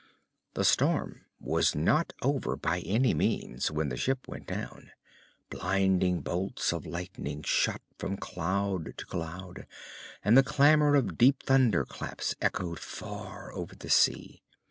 The storm was not over, by any means, when the ship went down. Blinding bolts of lightning shot from cloud to cloud and the clamor of deep thunderclaps echoed far over the sea.